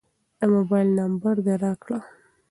د موبایل نمبر دې راکړه.